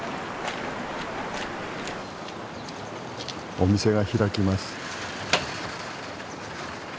お店が開きます。